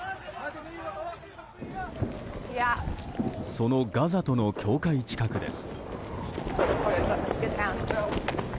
そのガザとの境界近くです。